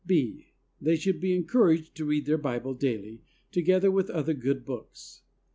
(b.) They should be encouraged to read their Bible daily, together with other good books.